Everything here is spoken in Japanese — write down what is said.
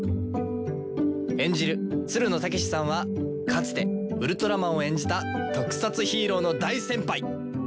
演じるつるの剛士さんはかつてウルトラマンを演じた特撮ヒーローの大先輩！